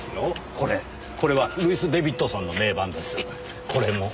これはルイス・デビッドソンの名盤です。